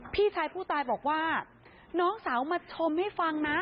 พี่ชายผู้ตายบอกว่าน้องสาวมาชมให้ฟังนะ